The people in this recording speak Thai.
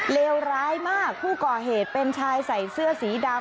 เลวร้ายมากผู้ก่อเหตุเป็นชายใส่เสื้อสีดำ